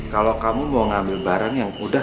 kalau kamu mau ngambil barang yang mudah